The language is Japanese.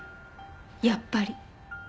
やっぱり。